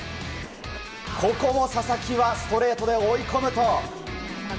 ここも佐々木はストレートで追い込むと。